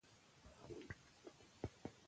په مېلو کښي داستانونه ویل کېږي.